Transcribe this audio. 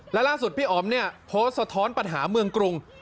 และล่าสุดพี่อ๋อมเนี่ยโพสต์สะท้อนปัญหาเมืองกรุง